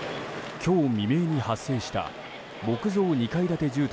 今日未明に発生した木造２階建て住宅